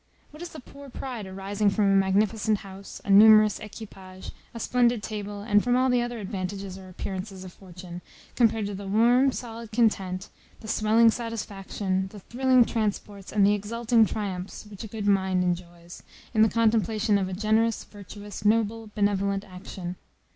What is the poor pride arising from a magnificent house, a numerous equipage, a splendid table, and from all the other advantages or appearances of fortune, compared to the warm, solid content, the swelling satisfaction, the thrilling transports, and the exulting triumphs, which a good mind enjoys, in the contemplation of a generous, virtuous, noble, benevolent action?